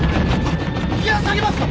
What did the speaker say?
ギア下げますか？